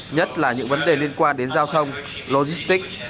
nhất là những vấn đề liên quan đến giao thông logistics